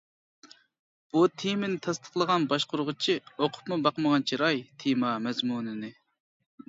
بۇ تېمىنى تەستىقلىغان باشقۇرغۇچى ئوقۇپمۇ باقمىغان چىراي تېما مەزمۇنىنى.